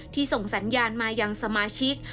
ที่ส่งสัญญาณมาอย่างสมาชิก